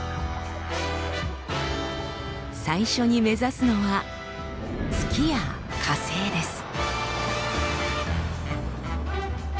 最初に目指すのは月や火星です。